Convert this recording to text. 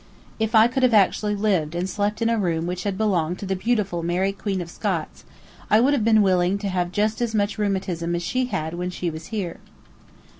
If I could have actually lived and slept in a room which had belonged to the beautiful Mary Queen of Scots, I would have been willing to have just as much rheumatism as she had when she was here.